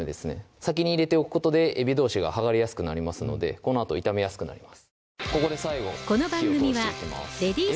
先に入れておくことでえびどうしが剥がれやすくなりますのでこのあと炒めやすくなります